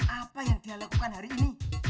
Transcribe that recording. apa yang dia lakukan hari ini